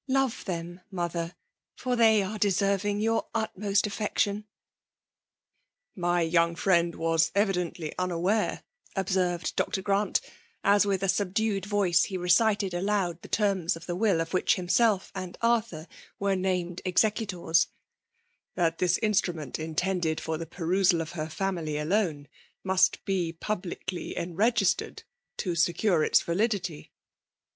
Ix)ve them, mother, for they are deserving your utmost affection. " My young friend was evidently unaware/* observed Dr. Grant, as with a subdued voice he recited aloud the terms of the will of trhfcli* himself and Arthur were named executors/ ''that this instrum6nt, intended for the perusal bf her family alone, must be publicly ehregts teTcd, to secure its validity."